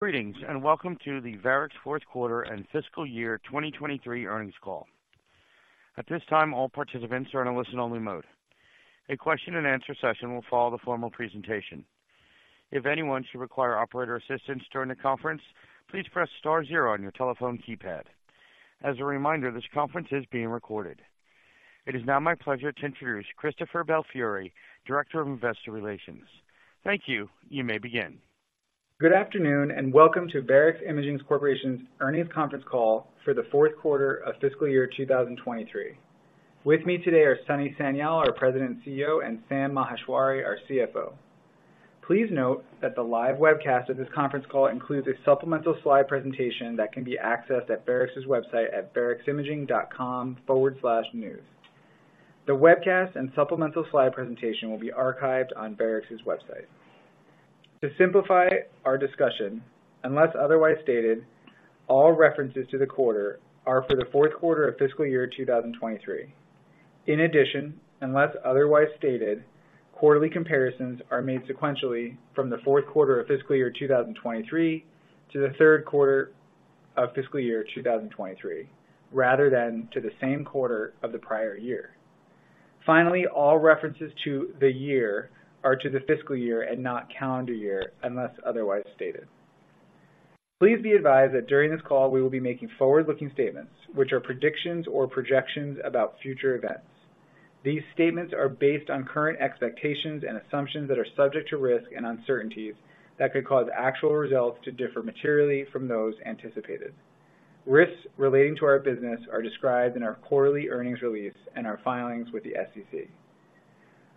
Greetings, and welcome to the Varex fourth quarter and fiscal year 2023 earnings call. At this time, all participants are in a listen-only mode. A question and answer session will follow the formal presentation. If anyone should require operator assistance during the conference, please press star zero on your telephone keypad. As a reminder, this conference is being recorded. It is now my pleasure to introduce Christopher Belfiore, Director of Investor Relations. Thank you. You may begin. Good afternoon, and welcome to Varex Imaging Corporation's earnings conference call for the fourth quarter of fiscal year 2023. With me today are Sunny Sanyal, our President and CEO, and Sam Maheshwari, our CFO. Please note that the live webcast of this conference call includes a supplemental slide presentation that can be accessed at Varex's website at vareximaging.com/news. The webcast and supplemental slide presentation will be archived on Varex's website. To simplify our discussion, unless otherwise stated, all references to the quarter are for the fourth quarter of fiscal year 2023. In addition, unless otherwise stated, quarterly comparisons are made sequentially from the fourth quarter of fiscal year 2023 to the third quarter of fiscal year 2023, rather than to the same quarter of the prior year. Finally, all references to the year are to the fiscal year and not calendar year, unless otherwise stated. Please be advised that during this call, we will be making forward-looking statements, which are predictions or projections about future events. These statements are based on current expectations and assumptions that are subject to risk and uncertainties that could cause actual results to differ materially from those anticipated. Risks relating to our business are described in our quarterly earnings release and our filings with the SEC.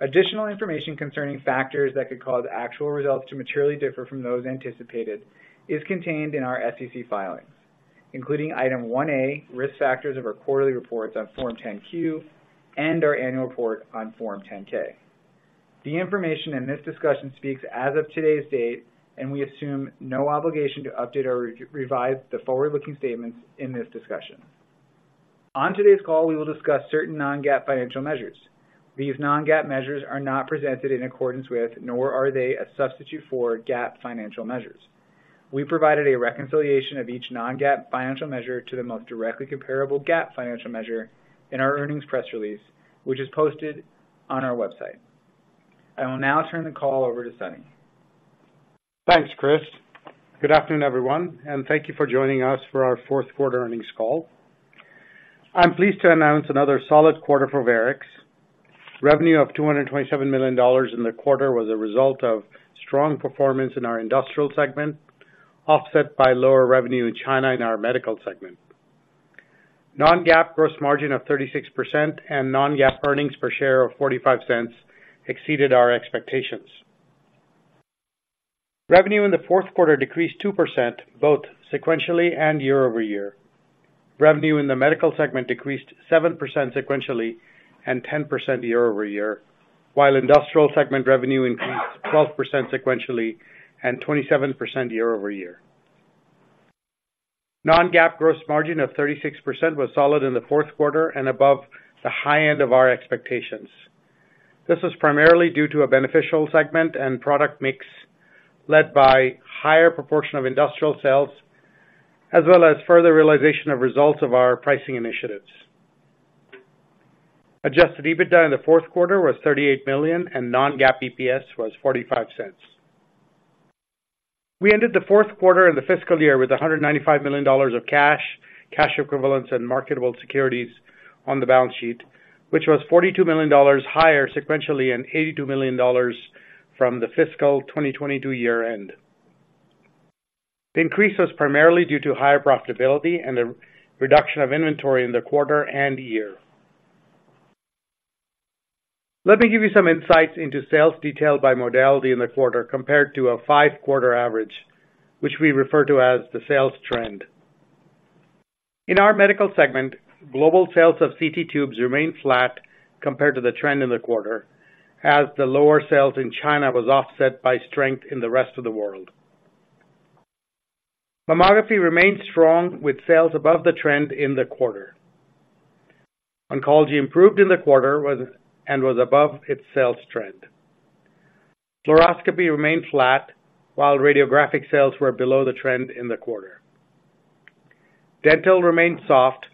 Additional information concerning factors that could cause actual results to materially differ from those anticipated is contained in our SEC filings, including Item 1A, Risk Factors of our quarterly reports on Form 10-Q and our annual report on Form 10-K. The information in this discussion speaks as of today's date, and we assume no obligation to update or re-revise the forward-looking statements in this discussion. On today's call, we will discuss certain non-GAAP financial measures. These non-GAAP measures are not presented in accordance with, nor are they a substitute for, GAAP financial measures. We provided a reconciliation of each non-GAAP financial measure to the most directly comparable GAAP financial measure in our earnings press release, which is posted on our website. I will now turn the call over to Sunny. Thanks, Chris. Good afternoon, everyone, and thank you for joining us for our fourth quarter earnings call. I'm pleased to announce another solid quarter for Varex. Revenue of $227 million in the quarter was a result of strong performance in our industrial segment, offset by lower revenue in China in our medical segment. Non-GAAP gross margin of 36% and non-GAAP earnings per share of $0.45 exceeded our expectations. Revenue in the fourth quarter decreased 2%, both sequentially and year-over-year. Revenue in the medical segment decreased 7% sequentially and 10% year-over-year, while industrial segment revenue increased 12% sequentially and 27% year-over-year. Non-GAAP gross margin of 36% was solid in the fourth quarter and above the high end of our expectations. This is primarily due to a beneficial segment and product mix, led by higher proportion of industrial sales, as well as further realization of results of our pricing initiatives. Adjusted EBITDA in the fourth quarter was $38 million, and non-GAAP EPS was $0.45. We ended the fourth quarter and the fiscal year with $195 million of cash, cash equivalents, and marketable securities on the balance sheet, which was $42 million higher sequentially, and $82 million from the fiscal 2022 year end. The increase was primarily due to higher profitability and the reduction of inventory in the quarter and year. Let me give you some insights into sales detail by modality in the quarter, compared to a five-quarter average, which we refer to as the sales trend. In our medical segment, global sales of CT tubes remained flat compared to the trend in the quarter, as the lower sales in China was offset by strength in the rest of the world. Mammography remained strong, with sales above the trend in the quarter. Oncology improved in the quarter and was above its sales trend. Fluoroscopy remained flat, while radiographic sales were below the trend in the quarter. Dental remained soft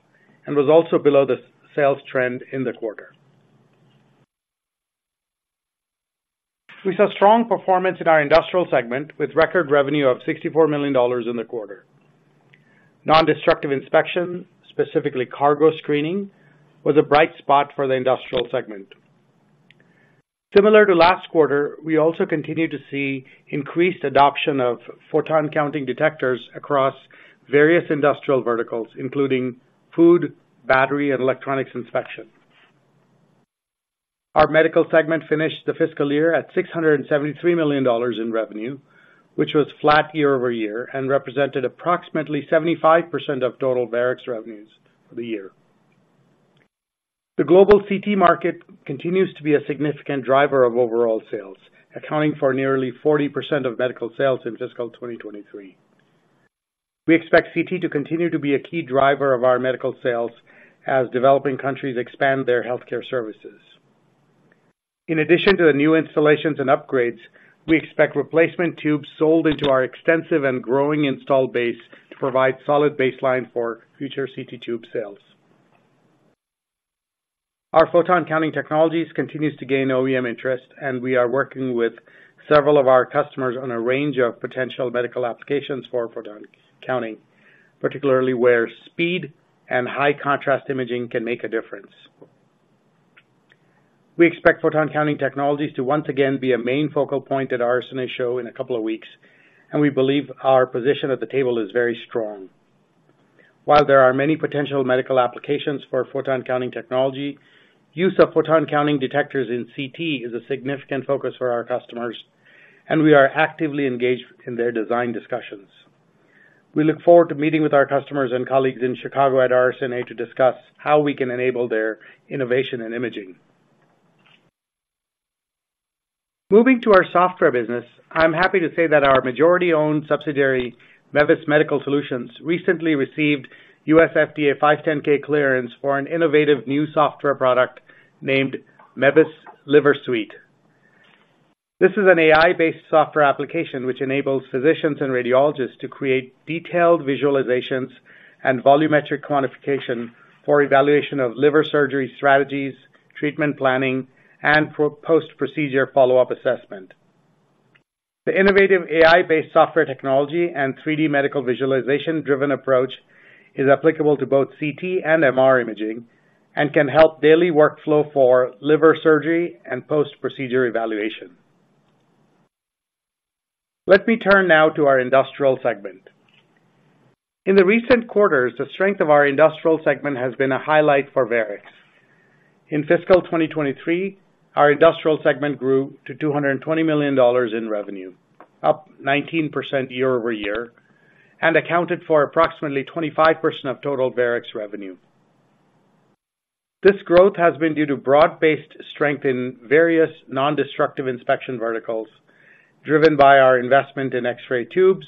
and was also below the sales trend in the quarter. We saw strong performance in our industrial segment, with record revenue of $64 million in the quarter. Nondestructive inspection, specifically cargo screening, was a bright spot for the industrial segment. Similar to last quarter, we also continued to see increased adoption of photon-counting detectors across various industrial verticals, including food, battery, and electronics inspection. Our medical segment finished the fiscal year at $673 million in revenue, which was flat year-over-year and represented approximately 75% of total Varex revenues for the year. The global CT market continues to be a significant driver of overall sales, accounting for nearly 40% of medical sales in fiscal 2023. We expect CT to continue to be a key driver of our medical sales as developing countries expand their healthcare services.... In addition to the new installations and upgrades, we expect replacement tubes sold into our extensive and growing installed base to provide solid baseline for future CT tube sales. Our photon counting technologies continues to gain OEM interest, and we are working with several of our customers on a range of potential medical applications for photon counting, particularly where speed and high contrast imaging can make a difference. We expect photon counting technologies to once again be a main focal point at RSNA show in a couple of weeks, and we believe our position at the table is very strong. While there are many potential medical applications for photon counting technology, use of photon counting detectors in CT is a significant focus for our customers, and we are actively engaged in their design discussions. We look forward to meeting with our customers and colleagues in Chicago at RSNA to discuss how we can enable their innovation and imaging. Moving to our software business, I'm happy to say that our majority-owned subsidiary, MeVis Medical Solutions, recently received U.S. FDA 510(k) clearance for an innovative new software product named MeVis Liver Suite. This is an AI-based software application which enables physicians and radiologists to create detailed visualizations and volumetric quantification for evaluation of liver surgery strategies, treatment planning, and for post-procedure follow-up assessment. The innovative AI-based software technology and 3D medical visualization-driven approach is applicable to both CT and MR imaging, and can help daily workflow for liver surgery and post-procedure evaluation. Let me turn now to our industrial segment. In the recent quarters, the strength of our industrial segment has been a highlight for Varex. In fiscal 2023, our industrial segment grew to $220 million in revenue, up 19% year-over-year, and accounted for approximately 25% of total Varex revenue. This growth has been due to broad-based strength in various non-destructive inspection verticals, driven by our investment in X-ray tubes,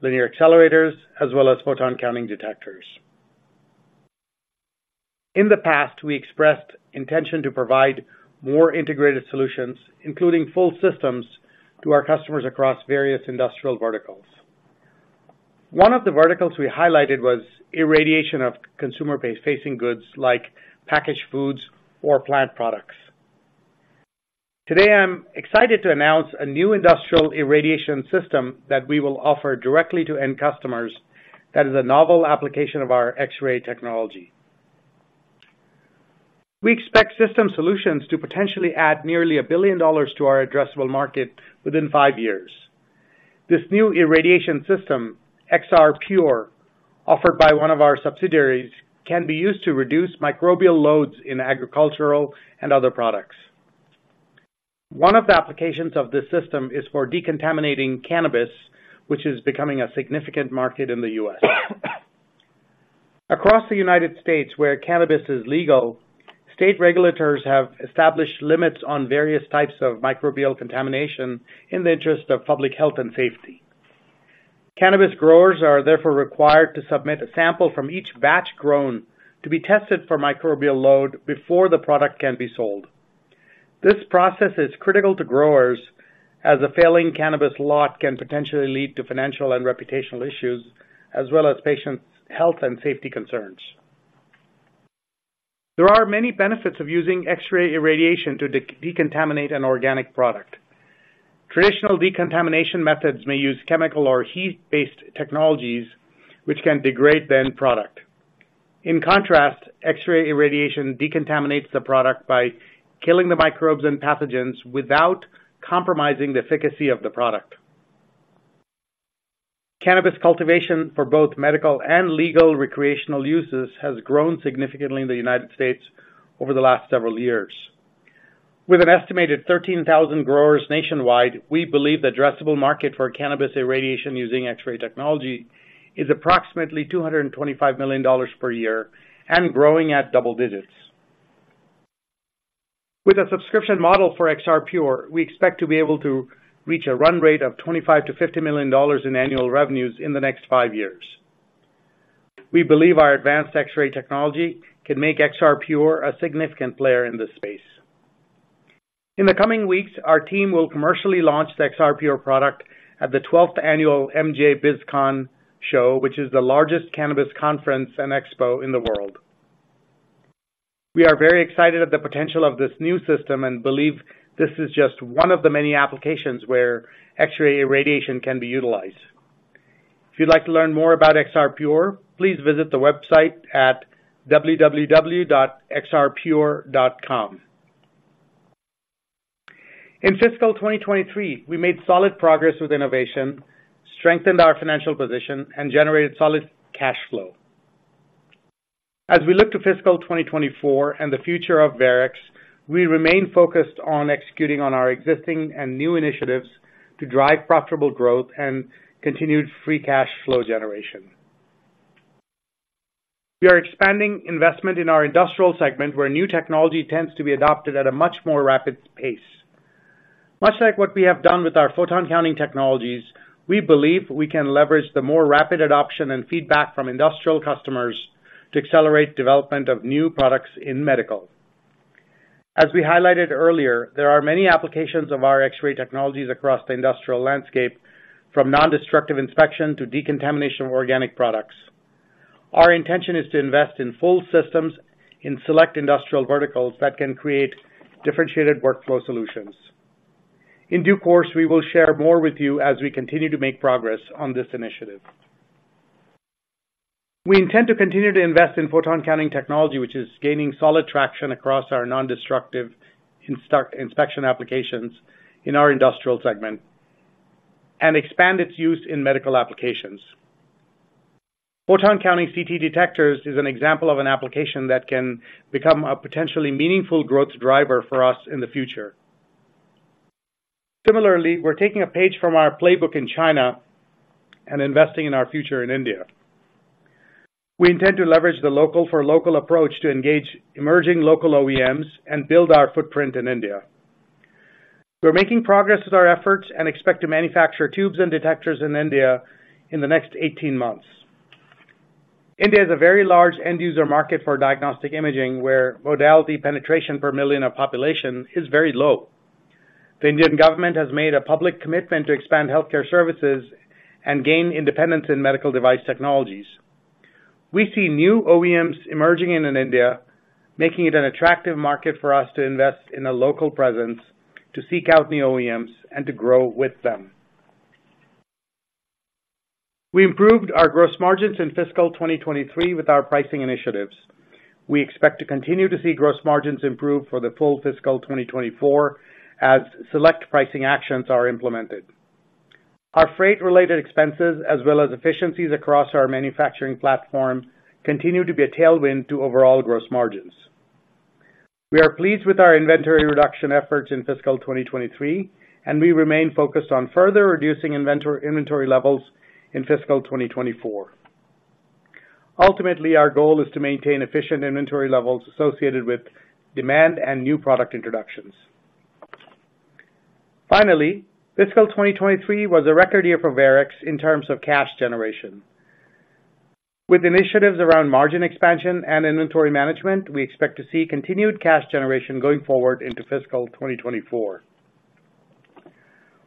linear accelerators, as well as photon counting detectors. In the past, we expressed intention to provide more integrated solutions, including full systems, to our customers across various industrial verticals. One of the verticals we highlighted was irradiation of consumer-based facing goods like packaged foods or plant products. Today, I'm excited to announce a new industrial irradiation system that we will offer directly to end customers that is a novel application of our X-ray technology. We expect system solutions to potentially add nearly $1 billion to our addressable market within five years. This new irradiation system, XR Pure, offered by one of our subsidiaries, can be used to reduce microbial loads in agricultural and other products. One of the applications of this system is for decontaminating cannabis, which is becoming a significant market in the U.S. Across the United States, where cannabis is legal, state regulators have established limits on various types of microbial contamination in the interest of public health and safety. Cannabis growers are therefore required to submit a sample from each batch grown to be tested for microbial load before the product can be sold. This process is critical to growers, as a failing cannabis lot can potentially lead to financial and reputational issues, as well as patient's health and safety concerns. There are many benefits of using X-ray irradiation to decontaminate an organic product. Traditional decontamination methods may use chemical or heat-based technologies which can degrade the end product. In contrast, X-ray irradiation decontaminates the product by killing the microbes and pathogens without compromising the efficacy of the product. Cannabis cultivation for both medical and legal recreational uses has grown significantly in the United States over the last several years. With an estimated 13,000 growers nationwide, we believe the addressable market for cannabis irradiation using X-ray technology is approximately $225 million per year, and growing at double digits. With a subscription model for XR Pure, we expect to be able to reach a run rate of $25 million-$50 million in annual revenues in the next five years. We believe our advanced X-ray technology can make XR Pure a significant player in this space. In the coming weeks, our team will commercially launch the XR Pure product at the 12th Annual MJBizCon show, which is the largest cannabis conference and expo in the world. We are very excited at the potential of this new system and believe this is just one of the many applications where X-ray irradiation can be utilized. If you'd like to learn more about XR Pure, please visit the website at www.xrpure.com. In fiscal 2023, we made solid progress with innovation, strengthened our financial position, and generated solid cash flow. As we look to fiscal 2024 and the future of Varex, we remain focused on executing on our existing and new initiatives to drive profitable growth and continued free cash flow generation. We are expanding investment in our industrial segment, where new technology tends to be adopted at a much more rapid pace.... Much like what we have done with our photon counting technologies, we believe we can leverage the more rapid adoption and feedback from industrial customers to accelerate development of new products in medical. As we highlighted earlier, there are many applications of our X-ray technologies across the industrial landscape, from nondestructive inspection to decontamination of organic products. Our intention is to invest in full systems, in select industrial verticals that can create differentiated workflow solutions. In due course, we will share more with you as we continue to make progress on this initiative. We intend to continue to invest in photon counting technology, which is gaining solid traction across our nondestructive inspection applications in our industrial segment, and expand its use in medical applications. Photon counting CT detectors is an example of an application that can become a potentially meaningful growth driver for us in the future. Similarly, we're taking a page from our playbook in China and investing in our future in India. We intend to leverage the local for local approach to engage emerging local OEMs and build our footprint in India. We're making progress with our efforts and expect to manufacture tubes and detectors in India in the next 18 months. India is a very large end user market for diagnostic imaging, where modality penetration per million of population is very low. The Indian government has made a public commitment to expand healthcare services and gain independence in medical device technologies. We see new OEMs emerging in India, making it an attractive market for us to invest in a local presence, to seek out new OEMs and to grow with them. We improved our gross margins in fiscal 2023 with our pricing initiatives. We expect to continue to see gross margins improve for the full fiscal 2024 as select pricing actions are implemented. Our freight-related expenses, as well as efficiencies across our manufacturing platform, continue to be a tailwind to overall gross margins. We are pleased with our inventory reduction efforts in fiscal 2023, and we remain focused on further reducing inventory levels in fiscal 2024. Ultimately, our goal is to maintain efficient inventory levels associated with demand and new product introductions. Finally, fiscal 2023 was a record year for Varex in terms of cash generation. With initiatives around margin expansion and inventory management, we expect to see continued cash generation going forward into fiscal 2024.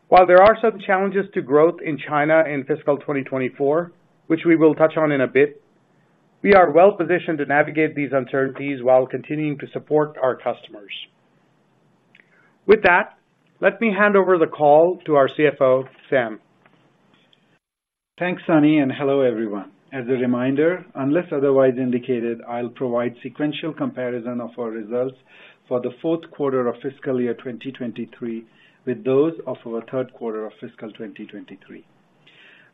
While there are some challenges to growth in China in fiscal 2024, which we will touch on in a bit, we are well positioned to navigate these uncertainties while continuing to support our customers. With that, let me hand over the call to our CFO, Sam. Thanks, Sunny, and hello, everyone. As a reminder, unless otherwise indicated, I'll provide sequential comparison of our results for the fourth quarter of fiscal year 2023, with those of our third quarter of fiscal 2023.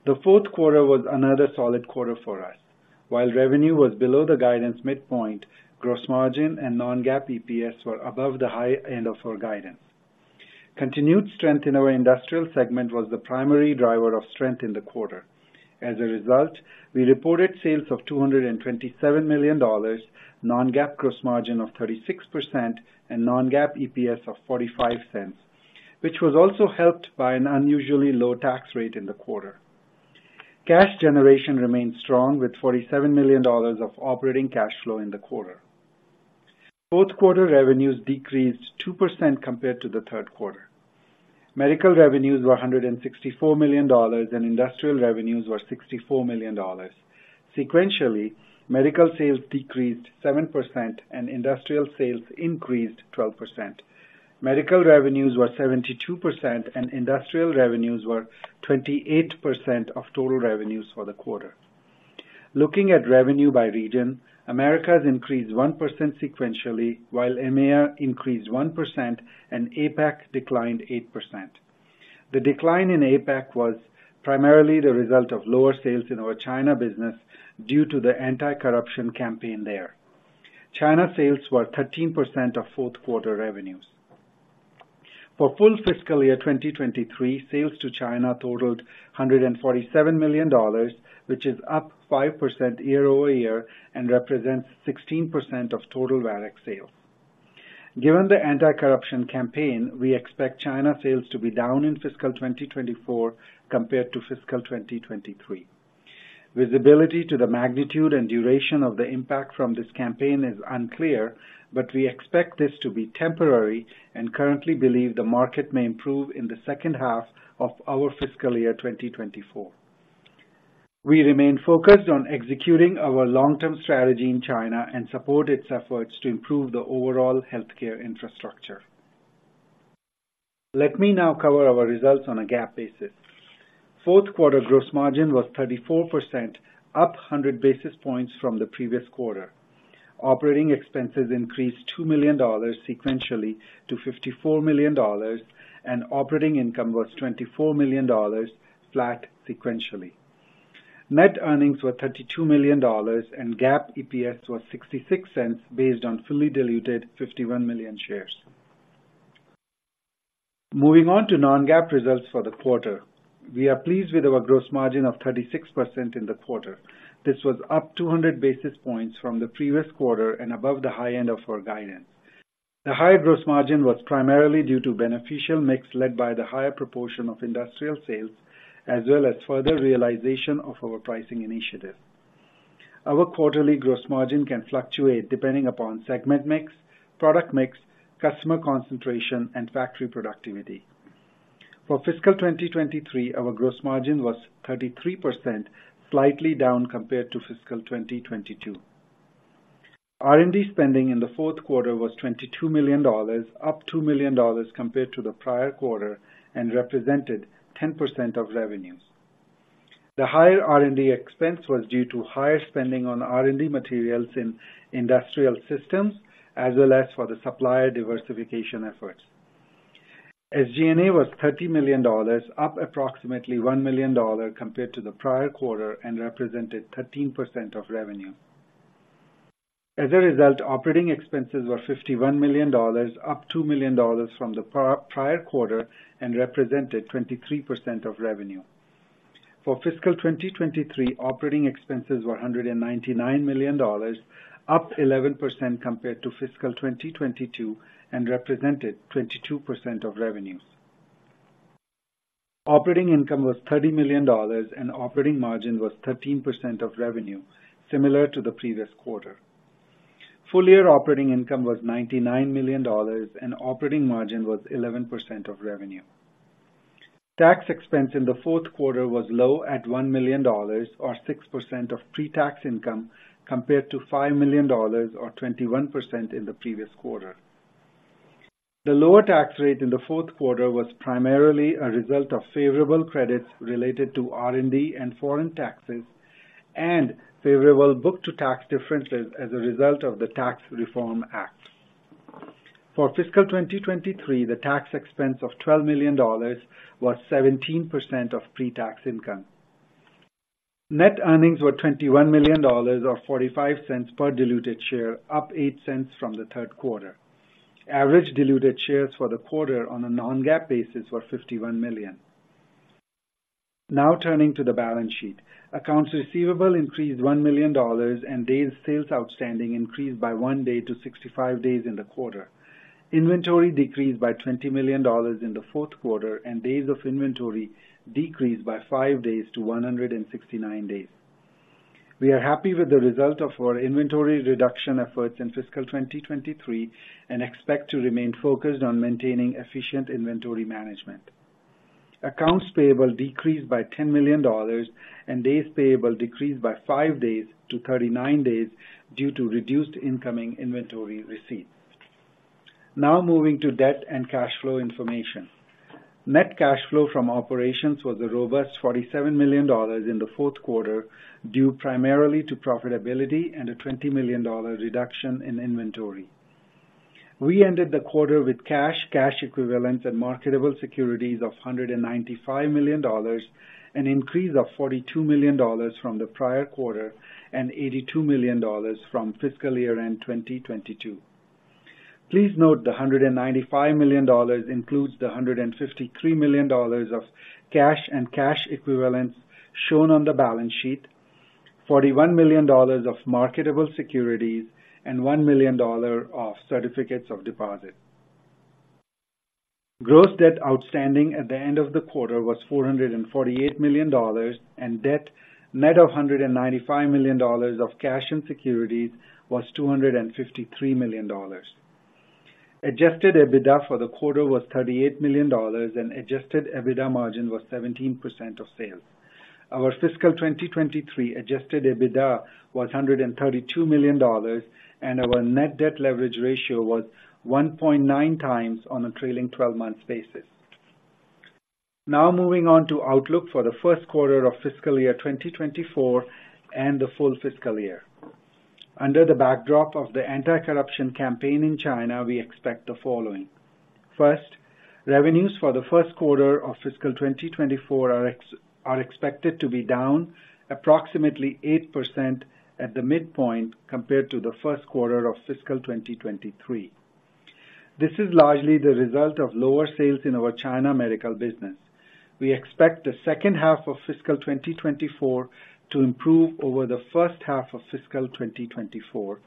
The fourth quarter was another solid quarter for us. While revenue was below the guidance midpoint, gross margin and Non-GAAP EPS were above the high end of our guidance. Continued strength in our industrial segment was the primary driver of strength in the quarter. As a result, we reported sales of $227 million, Non-GAAP gross margin of 36%, and Non-GAAP EPS of $0.45, which was also helped by an unusually low tax rate in the quarter. Cash generation remained strong, with $47 million of operating cash flow in the quarter. Fourth quarter revenues decreased 2% compared to the third quarter. Medical revenues were $164 million, and industrial revenues were $64 million. Sequentially, medical sales decreased 7% and industrial sales increased 12%. Medical revenues were 72%, and industrial revenues were 28% of total revenues for the quarter. Looking at revenue by region, Americas increased 1% sequentially, while EMEA increased 1% and APAC declined 8%. The decline in APAC was primarily the result of lower sales in our China business due to the anti-corruption campaign there. China sales were 13% of fourth quarter revenues. For full fiscal year 2023, sales to China totaled $147 million, which is up 5% year-over-year and represents 16% of total Varex sales. Given the anti-corruption campaign, we expect China sales to be down in fiscal 2024 compared to fiscal 2023. Visibility to the magnitude and duration of the impact from this campaign is unclear, but we expect this to be temporary and currently believe the market may improve in the second half of our fiscal year 2024. We remain focused on executing our long-term strategy in China and support its efforts to improve the overall healthcare infrastructure. Let me now cover our results on a GAAP basis. Fourth quarter gross margin was 34%, up 100 basis points from the previous quarter. Operating expenses increased $2 million sequentially to $54 million, and operating income was $24 million, flat sequentially. Net earnings were $32 million, and GAAP EPS was $0.66, based on fully diluted 51 million shares. Moving on to non-GAAP results for the quarter.... We are pleased with our gross margin of 36% in the quarter. This was up 200 basis points from the previous quarter and above the high end of our guidance. The higher gross margin was primarily due to beneficial mix, led by the higher proportion of industrial sales, as well as further realization of our pricing initiatives. Our quarterly gross margin can fluctuate depending upon segment mix, product mix, customer concentration, and factory productivity. For fiscal 2023, our gross margin was 33%, slightly down compared to fiscal 2022. R&D spending in the fourth quarter was $22 million, up $2 million compared to the prior quarter, and represented 10% of revenues. The higher R&D expense was due to higher spending on R&D materials in industrial systems, as well as for the supplier diversification efforts. SG&A was $30 million, up approximately $1 million compared to the prior quarter and represented 13% of revenue. As a result, operating expenses were $51 million, up $2 million from the prior quarter, and represented 23% of revenue. For fiscal 2023, operating expenses were $199 million, up 11% compared to fiscal 2022, and represented 22% of revenues. Operating income was $30 million, and operating margin was 13% of revenue, similar to the previous quarter. Full year operating income was $99 million, and operating margin was 11% of revenue. Tax expense in the fourth quarter was low at $1 million, or 6% of pre-tax income, compared to $5 million, or 21% in the previous quarter. The lower tax rate in the fourth quarter was primarily a result of favorable credits related to R&D and foreign taxes, and favorable book-to-tax differences as a result of the Tax Reform Act. For fiscal 2023, the tax expense of $12 million was 17% of pre-tax income. Net earnings were $21 million, or $0.45 per diluted share, up $0.08 from the third quarter. Average diluted shares for the quarter on a non-GAAP basis were 51 million. Now turning to the balance sheet. Accounts receivable increased $1 million, and days sales outstanding increased by one day to 65 days in the quarter. Inventory decreased by $20 million in the fourth quarter, and days of inventory decreased by five days to 169 days. We are happy with the result of our inventory reduction efforts in fiscal 2023 and expect to remain focused on maintaining efficient inventory management. Accounts payable decreased by $10 million, and days payable decreased by five days to 39 days due to reduced incoming inventory receipts. Now moving to debt and cash flow information. Net cash flow from operations was a robust $47 million in the fourth quarter, due primarily to profitability and a $20 million reduction in inventory. We ended the quarter with cash, cash equivalents, and marketable securities of $195 million, an increase of $42 million from the prior quarter and $82 million from fiscal year-end 2022. Please note the $195 million includes the $153 million of cash and cash equivalents shown on the balance sheet, $41 million of marketable securities, and $1 million of certificates of deposit. Gross debt outstanding at the end of the quarter was $448 million, and debt, net of $195 million of cash and securities, was $253 million. Adjusted EBITDA for the quarter was $38 million, and Adjusted EBITDA margin was 17% of sales. Our fiscal 2023 Adjusted EBITDA was $132 million, and our net debt leverage ratio was 1.9x on a trailing twelve-month basis. Now moving on to outlook for the first quarter of fiscal year 2024 and the full fiscal year. Under the backdrop of the anti-corruption campaign in China, we expect the following: First, revenues for the first quarter of fiscal year 2024 are expected to be down approximately 8% at the midpoint compared to the first quarter of fiscal 2023. This is largely the result of lower sales in our China medical business. We expect the second half of fiscal 2024 to improve over the first half of fiscal 2024,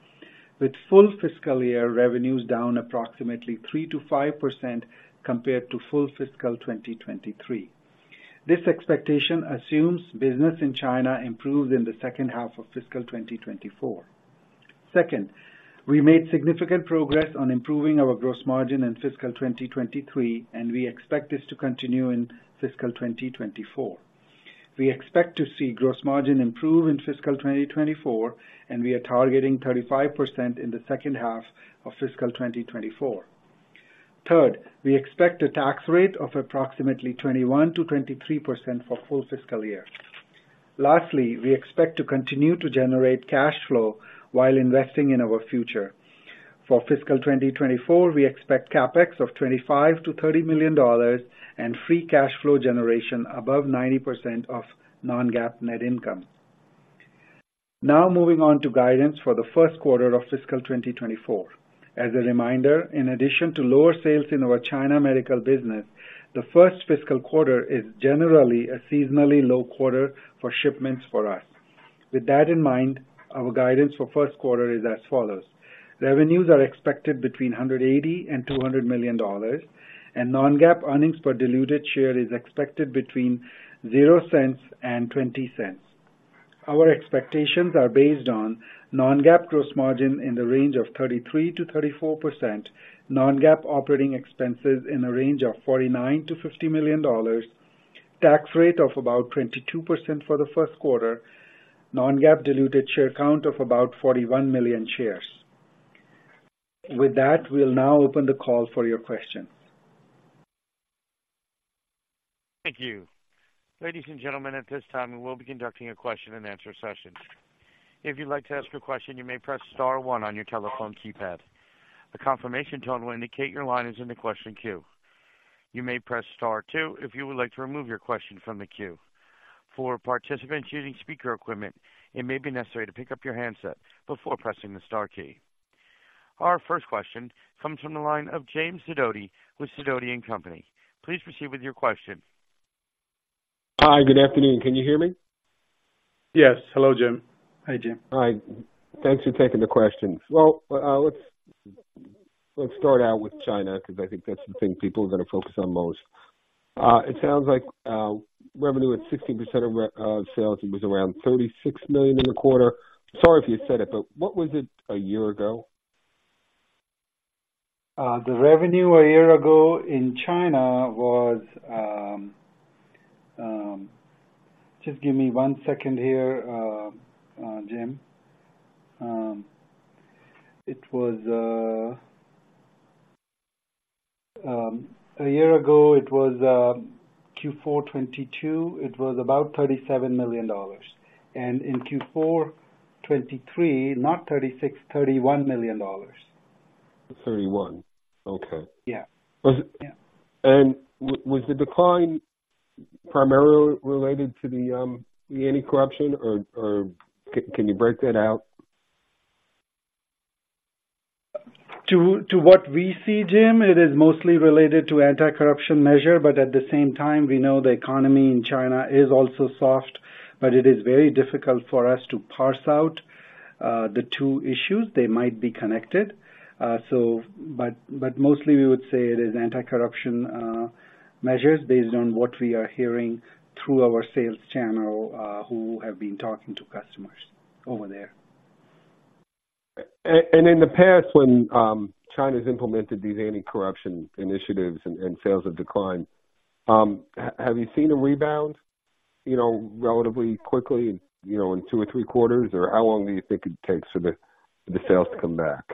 with full fiscal year revenues down approximately 3%-5% compared to full fiscal 2023. This expectation assumes business in China improves in the second half of fiscal 2024. Second, we made significant progress on improving our gross margin in fiscal 2023, and we expect this to continue in fiscal 2024. We expect to see gross margin improve in fiscal 2024, and we are targeting 35% in the second half of fiscal 2024. Third, we expect a tax rate of approximately 21%-23% for full fiscal year. Lastly, we expect to continue to generate cash flow while investing in our future. For fiscal 2024, we expect CapEx of $25 million-$30 million and free cash flow generation above 90% of non-GAAP net income. Now moving on to guidance for the first quarter of fiscal 2024. As a reminder, in addition to lower sales in our China medical business, the first fiscal quarter is generally a seasonally low quarter for shipments for us. With that in mind, our guidance for first quarter is as follows: revenues are expected between $180 million and $200 million, and non-GAAP earnings per diluted share is expected between $0.00 and $0.20. Our expectations are based on non-GAAP gross margin in the range of 33%-34%, non-GAAP operating expenses in a range of $49 million-$50 million, tax rate of about 22% for the first quarter, non-GAAP diluted share count of about 41 million shares. With that, we'll now open the call for your questions. Thank you. Ladies and gentlemen, at this time, we will be conducting a question-and-answer session. If you'd like to ask a question, you may press star one on your telephone keypad. A confirmation tone will indicate your line is in the question queue. You may press star two if you would like to remove your question from the queue. For participants using speaker equipment, it may be necessary to pick up your handset before pressing the star key. Our first question comes from the line of James Sidoti with Sidoti & Company. Please proceed with your question. Hi, good afternoon. Can you hear me? Yes. Hello, Jim. Hi, Jim. Hi. Thanks for taking the questions. Well, let's, let's start out with China, because I think that's the thing people are going to focus on most. It sounds like revenue at 16% of sales. It was around $36 million in the quarter. Sorry if you said it, but what was it a year ago? The revenue a year ago in China was... Just give me one second here, Jim. It was a year ago, it was Q4 2022, it was about $37 million. And in Q4 2023, not 36, $31 million. Thirty-one. Okay. Yeah. Was it- Yeah. Was the decline primarily related to the anti-corruption, or can you break that out? To what we see, Jim, it is mostly related to anti-corruption measure, but at the same time, we know the economy in China is also soft, but it is very difficult for us to parse out the two issues. They might be connected, so... But mostly we would say it is anti-corruption measures based on what we are hearing through our sales channel, who have been talking to customers over there. In the past, when China's implemented these anti-corruption initiatives and sales have declined, have you seen a rebound, you know, relatively quickly, you know, in two or three quarters, or how long do you think it takes for the sales to come back,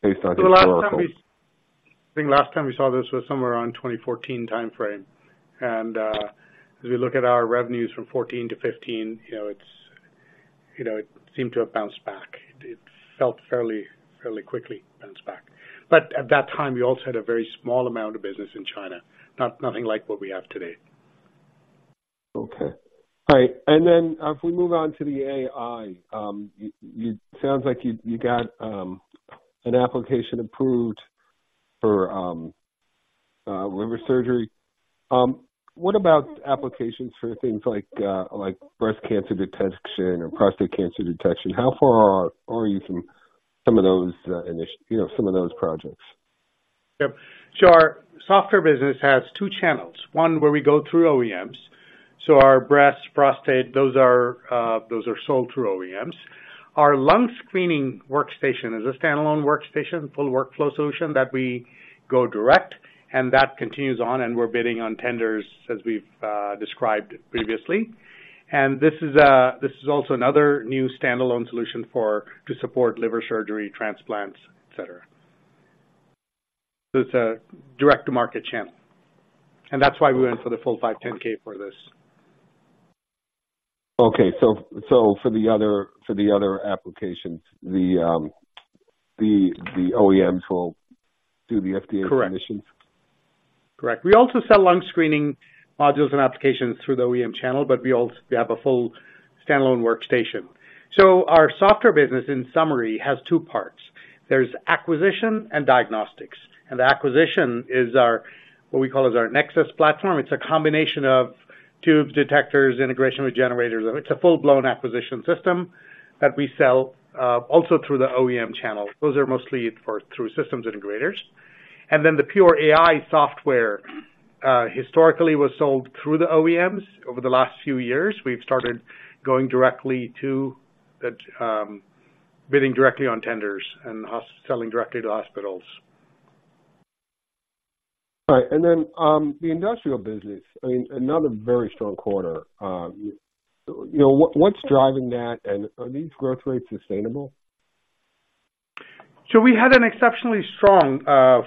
based on historical? The last time I think last time we saw this was somewhere around 2014 timeframe. And as we look at our revenues from 2014 to 2015, you know, it's, you know, it seemed to have bounced back. It felt fairly, fairly quickly bounced back. But at that time, we also had a very small amount of business in China, not nothing like what we have today. Okay. All right. And then if we move on to the AI, you sounds like you got an application approved for liver surgery. What about applications for things like breast cancer detection or prostate cancer detection? How far are you from some of those, in it, you know, some of those projects? Yep. So our software business has two channels, one, where we go through OEMs. So our breast, prostate, those are, those are sold through OEMs. Our lung screening workstation is a standalone workstation, full workflow solution that we go direct, and that continues on, and we're bidding on tenders as we've described previously. And this is, this is also another new standalone solution for- to support liver surgery, transplants, et cetera. So it's a direct-to-market channel, and that's why we went for the full 510(k) for this. Okay. So for the other applications, the OEMs will do the FDA submissions? Correct. Correct. We also sell lung screening modules and applications through the OEM channel, but we also we have a full standalone workstation. So our software business, in summary, has two parts: there's acquisition and diagnostics. And the acquisition is our, what we call as our Nexus platform. It's a combination of tube detectors, integration with generators. It's a full-blown acquisition system that we sell, also through the OEM channel. Those are mostly for through systems integrators. And then the pure AI software, historically, was sold through the OEMs. Over the last few years, we've started going directly to the, bidding directly on tenders and selling directly to hospitals. All right. And then, the industrial business, I mean, another very strong quarter. You know, what's driving that, and are these growth rates sustainable? So we had an exceptionally strong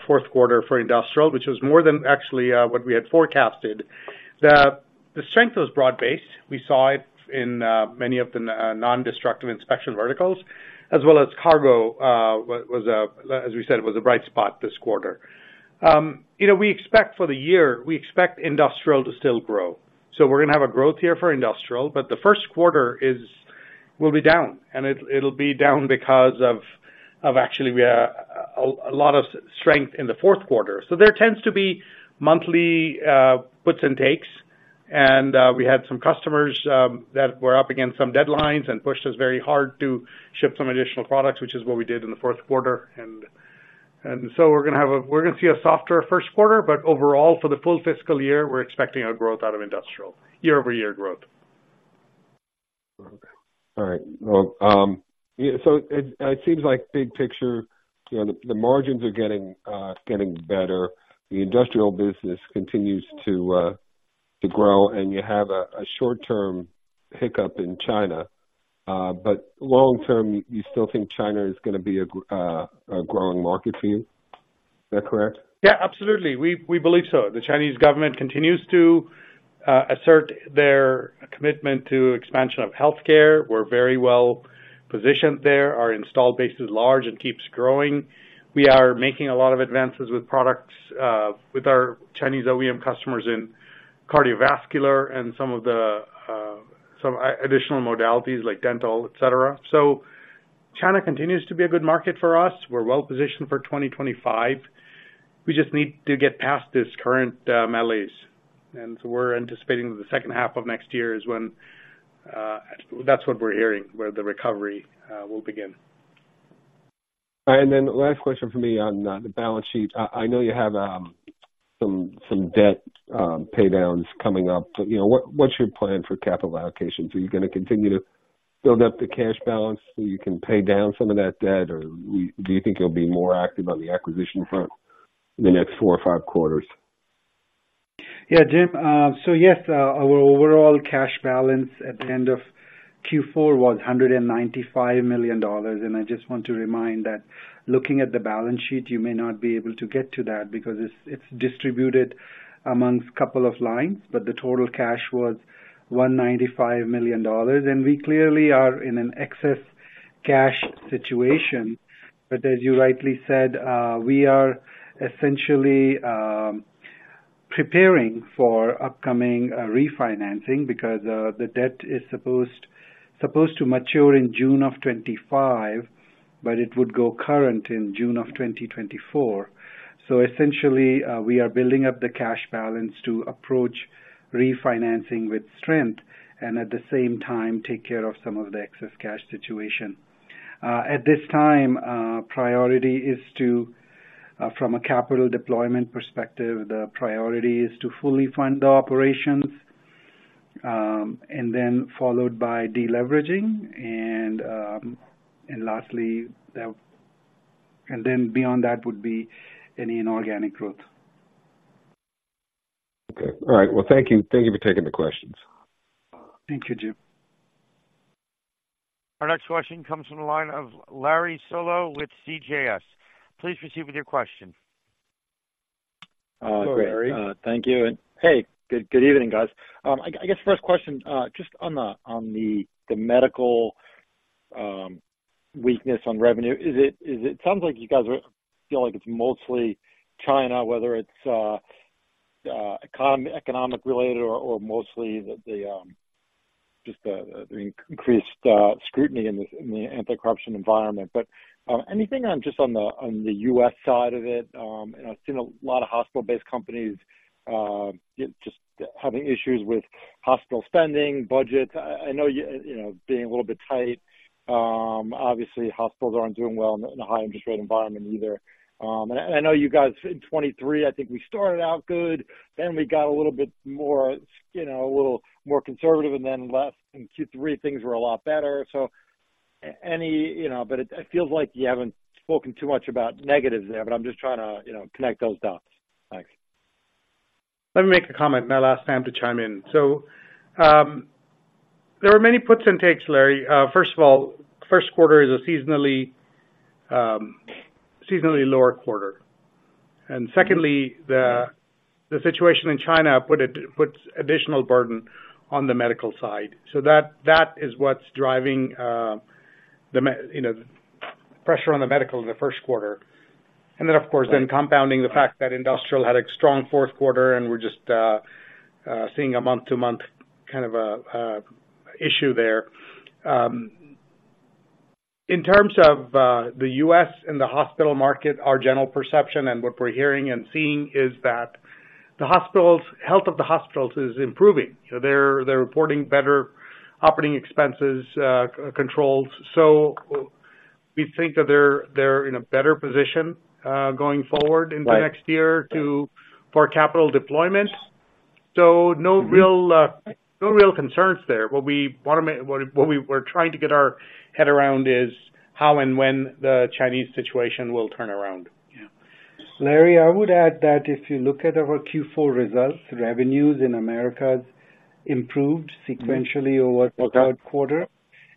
fourth quarter for industrial, which was more than actually what we had forecasted. The strength was broad-based. We saw it in many of the non-destructive inspection verticals, as well as cargo was, as we said, it was a bright spot this quarter. You know, we expect for the year, we expect industrial to still grow. So we're gonna have a growth here for industrial, but the first quarter will be down, and it'll be down because of actually a lot of strength in the fourth quarter. So there tends to be monthly puts and takes, and we had some customers that were up against some deadlines and pushed us very hard to ship some additional products, which is what we did in the fourth quarter. So we're gonna see a softer first quarter, but overall, for the full fiscal year, we're expecting growth out of industrial, year-over-year growth. Okay. All right. Well, yeah, so it seems like big picture, you know, the margins are getting better. The industrial business continues to grow, and you have a short-term hiccup in China. But long term, you still think China is gonna be a growing market for you? Is that correct? Yeah, absolutely. We, we believe so. The Chinese government continues to assert their commitment to expansion of healthcare. We're very well positioned there. Our installed base is large and keeps growing. We are making a lot of advances with products with our Chinese OEM customers in cardiovascular and some of the additional modalities like dental, et cetera. So China continues to be a good market for us. We're well-positioned for 2025. We just need to get past this current malaise, and so we're anticipating the second half of next year is when... That's what we're hearing, where the recovery will begin. Then last question for me on the balance sheet. I know you have some debt paydowns coming up, but you know, what's your plan for capital allocations? Are you gonna continue to build up the cash balance so you can pay down some of that debt, or do you think you'll be more active on the acquisition front in the next four or five quarters? Yeah, Jim, so yes, our overall cash balance at the end of Q4 was $195 million, and I just want to remind that looking at the balance sheet, you may not be able to get to that because it's distributed among a couple of lines, but the total cash was $195 million, and we clearly are in an excess cash situation. But as you rightly said, we are essentially preparing for upcoming refinancing because the debt is supposed, supposed to mature in June of 2025, but it would go current in June of 2024. So essentially, we are building up the cash balance to approach refinancing with strength and at the same time, take care of some of the excess cash situation. At this time, from a capital deployment perspective, the priority is to fully fund the operations, and then followed by deleveraging, and lastly, and then beyond that would be any inorganic growth. Okay. All right, well, thank you. Thank you for taking the questions. Thank you, Jim. Our next question comes from the line of Larry Solow with CJS. Please proceed with your question. Uh, great. Hello, Larry. Thank you, and hey, good evening, guys. I guess first question, just on the medical weakness on revenue, is it—sounds like you guys are feeling like it's mostly China, whether it's economic related or mostly the just the increased scrutiny in this, in the anti-corruption environment. But, anything just on the U.S. side of it? And I've seen a lot of hospital-based companies, just having issues with hospital spending, budgets. I know, you know, being a little bit tight. Obviously, hospitals aren't doing well in the high interest rate environment either. And I know you guys, in 2023, I think we started out good, then we got a little bit more, you know, a little more conservative, and then less. In Q3, things were a lot better. So anyway, you know... But it feels like you haven't spoken too much about negatives there, but I'm just trying to, you know, connect those dots. Thanks. Let me make a comment, and I'll ask Sam to chime in. So, there are many puts and takes, Larry. First of all, first quarter is a seasonally lower quarter. And secondly, the situation in China puts additional burden on the medical side. So that is what's driving the medical, you know, pressure on the medical in the first quarter. And then, of course, compounding the fact that industrial had a strong fourth quarter, and we're just seeing a month-to-month kind of issue there. In terms of the U.S. and the hospital market, our general perception and what we're hearing and seeing is that the hospitals' health is improving. So they're reporting better operating expenses controls. So we think that they're in a better position going forward- Right... into next year to, for capital deployment. So no real, no real concerns there. What we want to make, we were trying to get our head around is how and when the Chinese situation will turn around. Yeah. Larry, I would add that if you look at our Q4 results, revenues in Americas improved sequentially over the third quarter,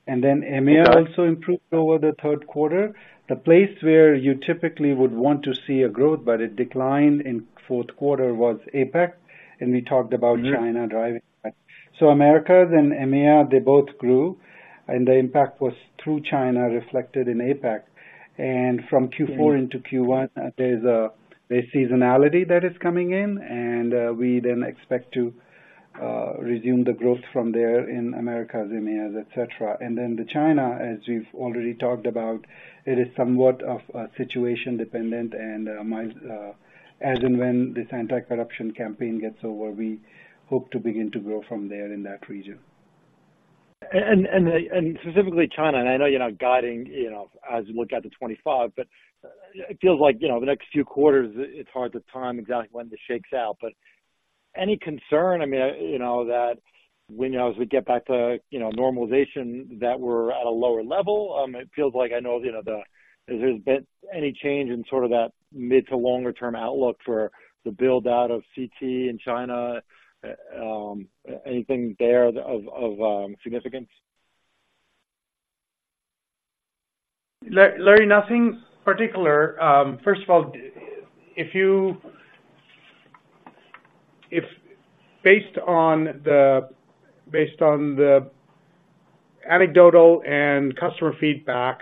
and then EMEA also improved over the third quarter. The place where you typically would want to see a growth, but it declined in fourth quarter, was APAC, and we talked about China driving that. So Americas and EMEA, they both grew, and the impact was through China, reflected in APAC. And from Q4 into Q1, there's a seasonality that is coming in, and we then expect to resume the growth from there in Americas, EMEA, et cetera. And then the China, as we've already talked about, it is somewhat of a situation dependent, and might, as and when this anti-corruption campaign gets over, we hope to begin to grow from there in that region. Specifically China, and I know you're not guiding, you know, as you look out to 25, but it feels like, you know, the next few quarters, it's hard to time exactly when this shakes out. But any concern, I mean, you know, that when, you know, as we get back to, you know, normalization, that we're at a lower level? It feels like I know, you know, has there been any change in sort of that mid to longer term outlook for the build-out of CT in China? Anything there of significance? Larry, nothing particular. First of all, if you—if based on the, based on the anecdotal and customer feedback,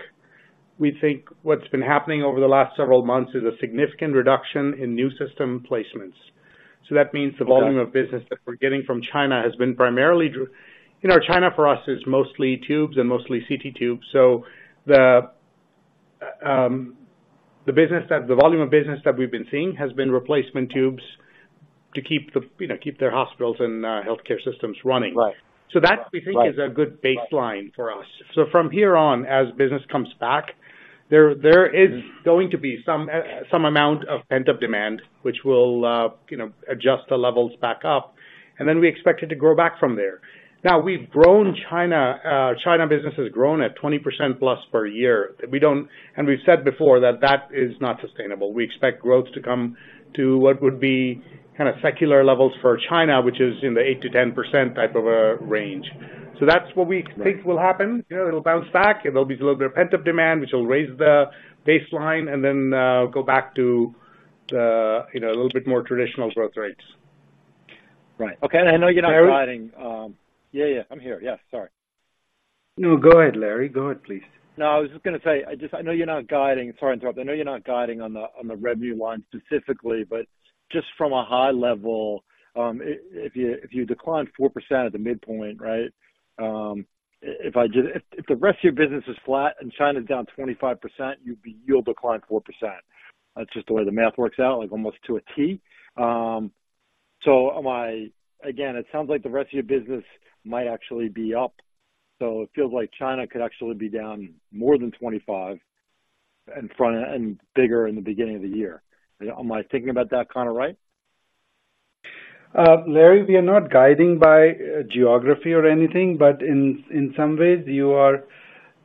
we think what's been happening over the last several months is a significant reduction in new system placements. So that means the volume of business that we're getting from China has been primarily. You know, China for us is mostly tubes and mostly CT tubes, so the, the business that... the volume of business that we've been seeing has been replacement tubes to keep the, you know, keep their hospitals and healthcare systems running. Right. So that, we think, is a good baseline for us. So from here on, as business comes back, there, there is going to be some, some amount of pent-up demand, which will, you know, adjust the levels back up, and then we expect it to grow back from there. Now, we've grown China, China business has grown at 20%+ per year. We don't -- and we've said before that that is not sustainable. We expect growth to come to what would be kind of secular levels for China, which is in the 8%-10% type of a range. So that's what we think will happen. You know, it'll bounce back. It'll be a little bit of pent-up demand, which will raise the baseline and then, go back to the, you know, a little bit more traditional growth rates. Right. Okay, and I know you're not guiding. Yeah, yeah. I'm here. Yeah, sorry. No, go ahead, Larry. Go ahead, please. No, I was just gonna say, I just I know you're not guiding. Sorry to interrupt. I know you're not guiding on the revenue line specifically, but just from a high level, if you decline 4% at the midpoint, right, if the rest of your business is flat and China is down 25%, you'll decline 4%. That's just the way the math works out, like, almost to a T. So am I again, it sounds like the rest of your business might actually be up, so it feels like China could actually be down more than 25% in front and bigger in the beginning of the year. Am I thinking about that kind of right? Larry, we are not guiding by geography or anything, but in some ways, you are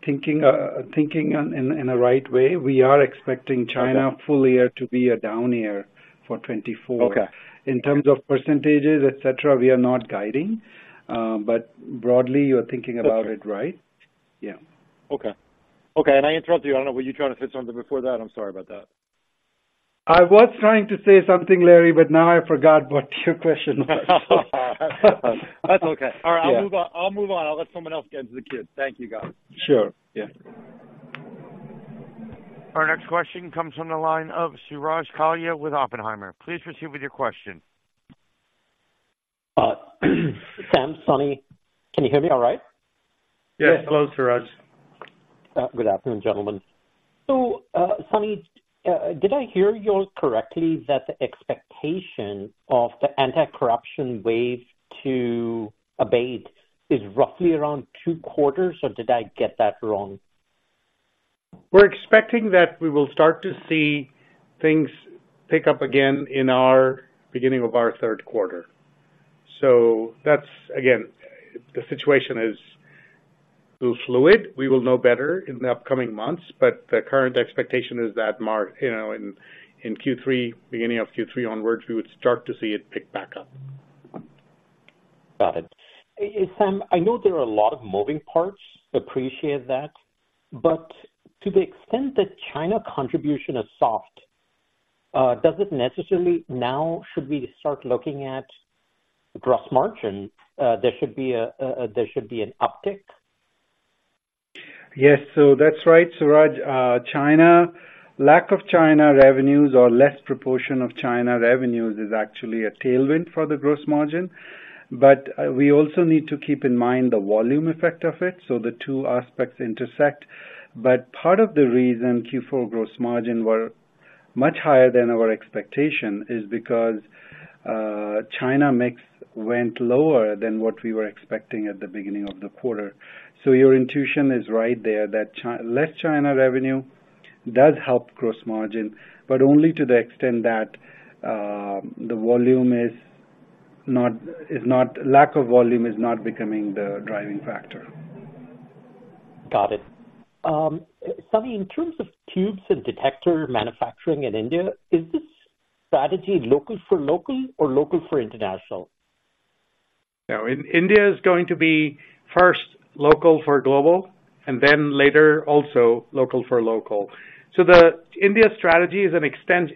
thinking in a right way. We are expecting China full year to be a down year for 2024. Okay. In terms of percentages, et cetera, we are not guiding, but broadly, you're thinking about it right. Yeah. Okay. Okay, and I interrupted you. I don't know, were you trying to say something before that? I'm sorry about that. I was trying to say something, Larry, but now I forgot what your question was. That's okay. Yeah. All right, I'll move on. I'll move on. I'll let someone else get into the queue. Thank you, guys. Sure. Yeah. Our next question comes from the line of Suraj Kalia with Oppenheimer. Please proceed with your question. Sam, Sunny, can you hear me all right? Yes. Hello, Suraj. Good afternoon, gentlemen. So, Sunny, did I hear you correctly, that the expectation of the anti-corruption wave to abate is roughly around two quarters, or did I get that wrong? We're expecting that we will start to see things pick up again in our beginning of our third quarter. So that's... Again, the situation is still fluid. We will know better in the upcoming months, but the current expectation is that you know, in Q3, beginning of Q3 onwards, we would start to see it pick back up. Got it. Hey, Sam, I know there are a lot of moving parts, appreciate that, but to the extent that China contribution is soft, does it necessarily now should we start looking at gross margin? There should be, there should be an uptick? Yes. So that's right, Suraj. China—lack of China revenues or less proportion of China revenues is actually a tailwind for the gross margin. But, we also need to keep in mind the volume effect of it, so the two aspects intersect. But part of the reason Q4 gross margin were much higher than our expectation is because, China mix went lower than what we were expecting at the beginning of the quarter. So your intuition is right there, that less China revenue does help gross margin, but only to the extent that, the volume is not, lack of volume is not becoming the driving factor. Got it. Sunny, in terms of tubes and detector manufacturing in India, is this strategy local for local or local for international? No, India is going to be first local for global, and then later, also local for local. So the India strategy is to an extent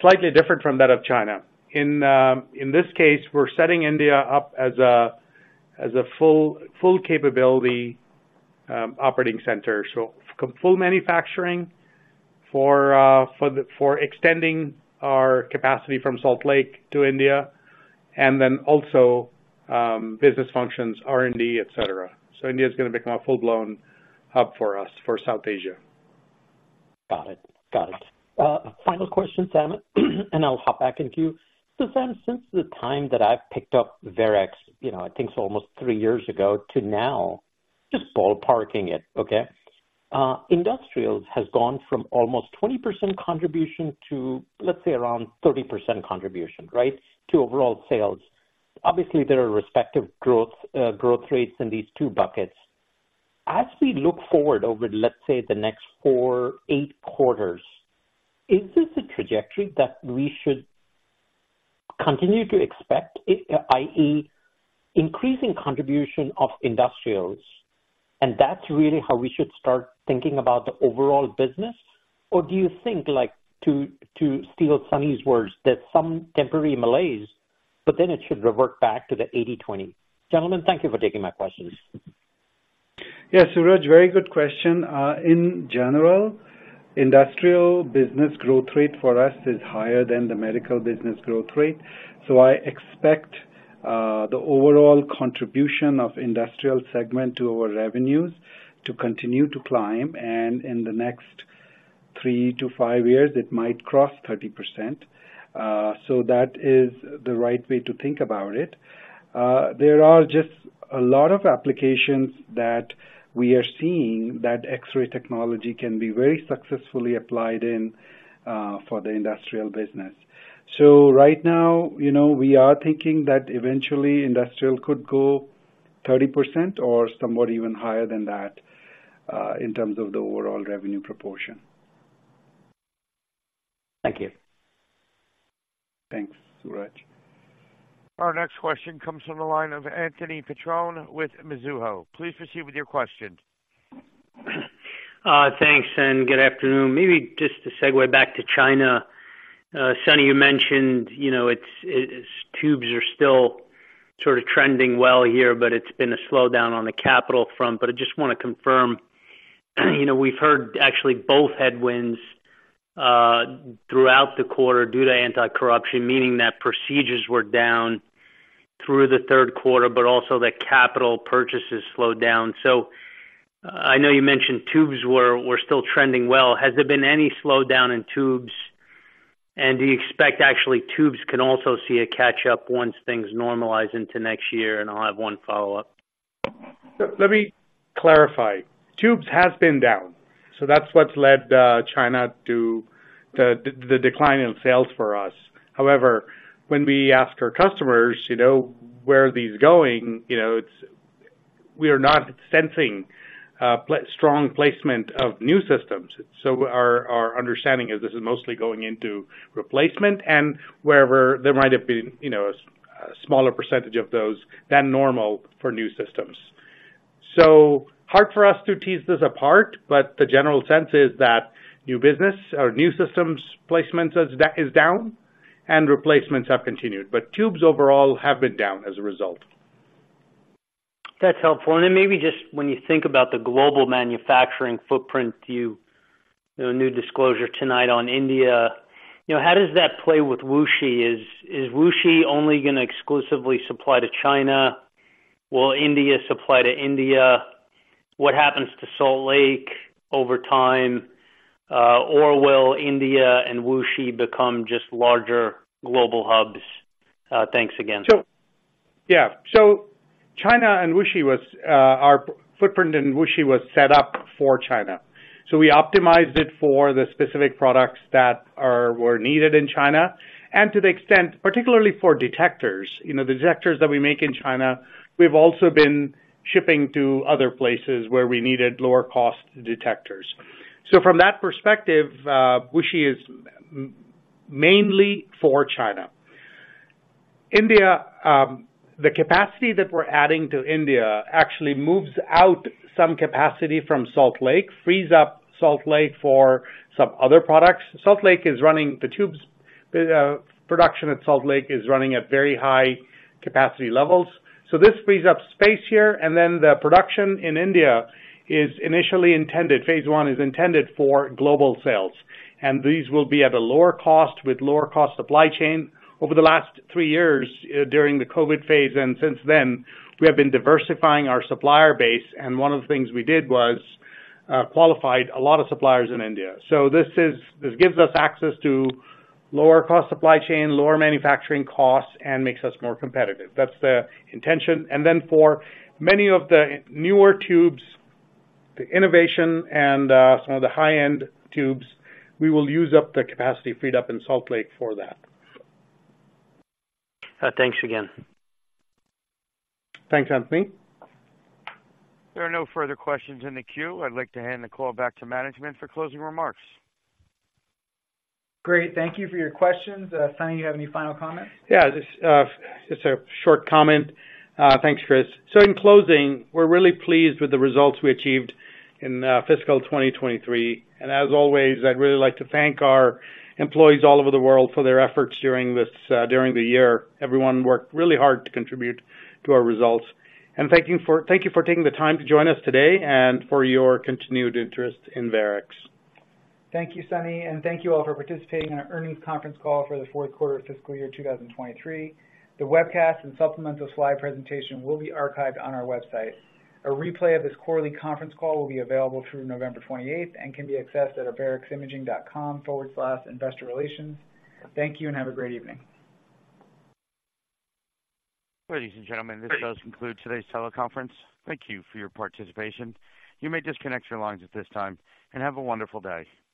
slightly different from that of China. In this case, we're setting India up as a full capability operating center. So full manufacturing for extending our capacity from Salt Lake to India, and then also business functions, R&D, et cetera. So India is going to become a full-blown hub for us, for South Asia. Got it. Got it. Final question, Sam, and I'll hop back into you. So Sam, since the time that I've picked up Varex, you know, I think it's almost three years ago to now, just ballparking it, okay? Industrials has gone from almost 20% contribution to, let's say, around 30% contribution, right, to overall sales. Obviously, there are respective growth rates in these two buckets. As we look forward over, let's say, the next four, eight quarters, is this a trajectory that we should continue to expect, i.e., increasing contribution of industrials, and that's really how we should start thinking about the overall business? Or do you think, like, to steal Sunny's words, that some temporary malaise, but then it should revert back to the 80/20. Gentlemen, thank you for taking my questions. Yes, Suraj, very good question. In general, industrial business growth rate for us is higher than the medical business growth rate. So I expect the overall contribution of industrial segment to our revenues to continue to climb, and in the next three to five years, it might cross 30%. So that is the right way to think about it. There are just a lot of applications that we are seeing that X-ray technology can be very successfully applied in for the industrial business. So right now, you know, we are thinking that eventually industrial could go 30% or somewhat even higher than that in terms of the overall revenue proportion. Thank you. Thanks, Suraj. Our next question comes from the line of Anthony Petrone with Mizuho. Please proceed with your question. Thanks, and good afternoon. Maybe just to segue back to China. Sunny, you mentioned, you know, it's tubes are still sort of trending well here, but it's been a slowdown on the capital front. But I just want to confirm, you know, we've heard actually both headwinds throughout the quarter due to anti-corruption, meaning that procedures were down through the third quarter, but also that capital purchases slowed down. So I know you mentioned tubes were still trending well. Has there been any slowdown in tubes? And do you expect actually tubes can also see a catch-up once things normalize into next year? And I'll have one follow-up. Let me clarify. Tubes has been down, so that's what's led China to the decline in sales for us. However, when we ask our customers, you know, where are these going? You know, it's we are not sensing strong placement of new systems. So our understanding is this is mostly going into replacement and wherever there might have been, you know, a smaller percentage of those than normal for new systems. So hard for us to tease this apart, but the general sense is that new business or new systems placements is down and replacements have continued. But tubes overall have been down as a result. That's helpful. And then maybe just when you think about the global manufacturing footprint, you know, new disclosure tonight on India, you know, how does that play with Wuxi? Is Wuxi only going to exclusively supply to China? Will India supply to India? What happens to Salt Lake over time? Or will India and Wuxi become just larger global hubs? Thanks again. So, yeah. So China and Wuxi was our footprint in Wuxi was set up for China. So we optimized it for the specific products that were needed in China, and to the extent, particularly for detectors. You know, the detectors that we make in China, we've also been shipping to other places where we needed lower-cost detectors. So from that perspective, Wuxi is mainly for China. India, the capacity that we're adding to India actually moves out some capacity from Salt Lake, frees up Salt Lake for some other products. Salt Lake is running the tubes, production at Salt Lake is running at very high capacity levels. So this frees up space here, and then the production in India is initially intended, phase one is intended for global sales, and these will be at a lower cost with lower cost supply chain. Over the last three years, during the COVID phase and since then, we have been diversifying our supplier base, and one of the things we did was, qualified a lot of suppliers in India. So this gives us access to lower cost supply chain, lower manufacturing costs, and makes us more competitive. That's the intention. And then for many of the newer tubes, the innovation and, some of the high-end tubes, we will use up the capacity freed up in Salt Lake for that. Thanks again. Thanks, Anthony. There are no further questions in the queue. I'd like to hand the call back to management for closing remarks. Great. Thank you for your questions. Sunny, you have any final comments? Yeah, just a short comment. Thanks, Chris. So in closing, we're really pleased with the results we achieved in fiscal 2023. And as always, I'd really like to thank our employees all over the world for their efforts during the year. Everyone worked really hard to contribute to our results. And thank you for taking the time to join us today and for your continued interest in Varex. Thank you, Sunny, and thank you all for participating in our earnings conference call for the fourth quarter of fiscal year 2023. The webcast and supplemental slide presentation will be archived on our website. A replay of this quarterly conference call will be available through November 28th and can be accessed at vareximaging.com/investorrelations. Thank you, and have a great evening. Ladies and gentlemen, this does conclude today's teleconference. Thank you for your participation. You may disconnect your lines at this time, and have a wonderful day.